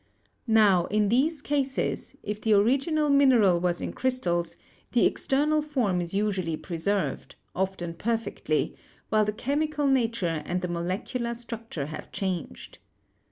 Now, in these cases, if the original mineral was in crystals, the external form is usually preserved, often perfectly, while the chemical nature and the molecular structure have changed.